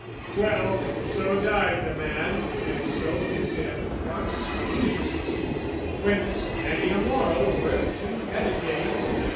Well, "So died the man, and so his end was peace; "Whence many a moral were to meditate.